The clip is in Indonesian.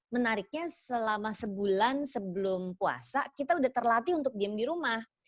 menariknya selama sebulan sebelum puasa kita udah terlatih untuk diam di rumah